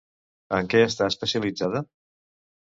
En què està especialitzada?